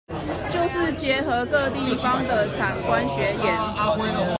就是結合各地方的產官學研